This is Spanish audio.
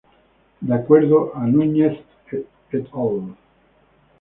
De acuerdo a Núñez et al.